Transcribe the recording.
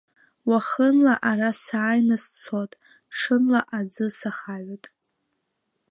Уахынла ара сааины сцот, ҽынла аӡы сахаҩот.